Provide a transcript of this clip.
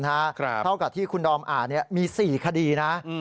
เท่ากับที่คุณดอมอ่านมี๔คดีนะ